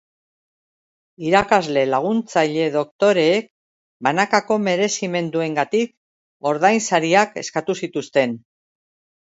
Irakasle laguntzaile doktoreek banakako merezimenduengatik ordainsariak eskatu zituzten.